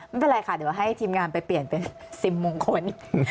ไม่เป็นไรค่ะเดี๋ยวให้ทีมงานไปเปลี่ยนเป็นซิมมงคล